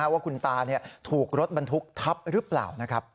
ว่าคุณตาถูกรถบรรทุกทับหรือเปล่านะครับ